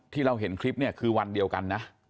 ที่เราเห็นคลิปเนี่ยคือวันเดียวกันนะ